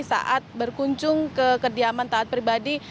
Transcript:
saat berkunjung ke kediaman taat pribadi